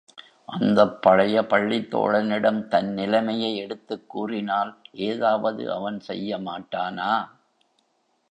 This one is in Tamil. அந்தப் பழைய பள்ளித் தோழனிடம் தன் நிலைமையை எடுத்துக் கூறினால் ஏதாவது அவன் செய்ய மாட்டானா?